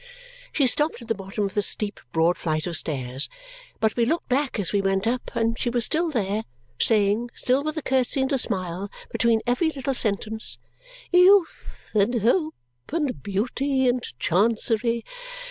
She stopped at the bottom of the steep, broad flight of stairs; but we looked back as we went up, and she was still there, saying, still with a curtsy and a smile between every little sentence, "Youth. And hope. And beauty. And Chancery.